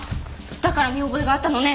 「だから見覚えがあったのね」